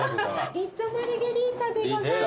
リッゾマルゲリータでございます。